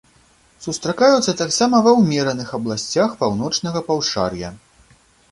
Сустракаюцца таксама ва ўмераных абласцях паўночнага паўшар'я.